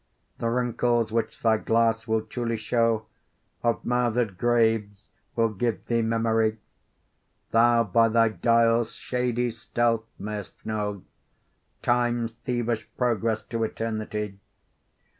The wrinkles which thy glass will truly show Of mouthed graves will give thee memory; Thou by thy dial's shady stealth mayst know Time's thievish progress to eternity.